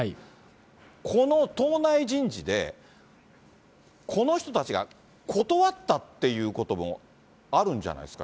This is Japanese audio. この党内人事で、この人たちが断ったっていうこともあるんじゃないですか？